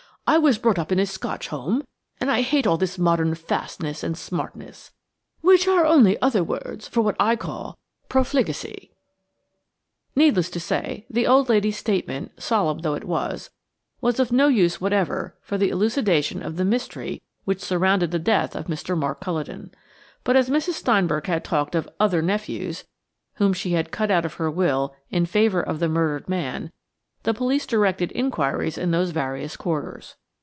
I was brought up in a Scotch home, and I hate all this modern fastness and smartness, which are only other words for what I call profligacy." Needless to say, the old lady's statement, solemn though it was, was of no use whatever for the elucidation of the mystery which surrounded the death of Mr. Mark Culledon. But as Mrs. Steinberg had talked of "other nephews," whom she had cut out of her will in favour of the murdered man, the police directed inquiries in those various quarters.